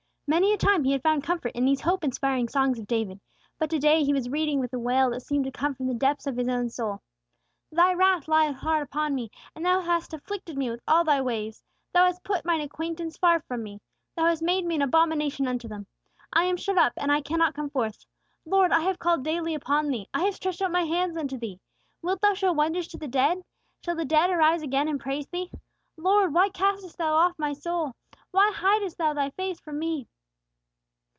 Many a time he had found comfort in these hope inspiring songs of David; but to day he was reading a wail that seemed to come from the depths of his own soul: "Thy wrath lieth hard upon me, and Thou hast afflicted me with all Thy waves. Thou hast put mine acquaintance far from me. Thou hast made me an abomination unto them. I am shut up and I cannot come forth. Lord, I have called daily upon Thee. I have stretched out my hands unto Thee. Wilt Thou show wonders to the dead? Shall the dead arise again and praise Thee? Lord, why casteth Thou off my soul? Why hidest Thou Thy face from me?"